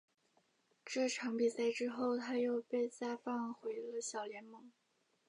这场比赛之后他又被下放回了小联盟。